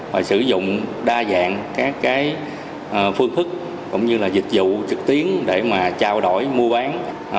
và sử dụng đa dạng các phương thức cũng như dịch vụ trực tiến để trao đổi mua bán